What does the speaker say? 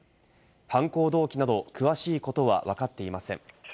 犯行動機など詳しいことはわかっていません。